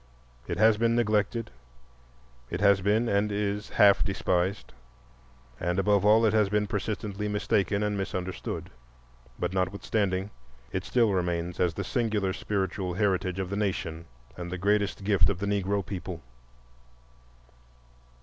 It has been neglected, it has been, and is, half despised, and above all it has been persistently mistaken and misunderstood; but notwithstanding, it still remains as the singular spiritual heritage of the nation and the greatest gift of the Negro people.